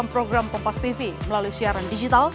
tapi waktu sudah temukan untuk hasil debatan